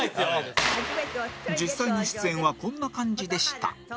実際の出演はこんな感じでした